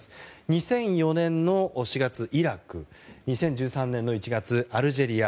２００４年の４月、イラク２０１３年の１月アルジェリア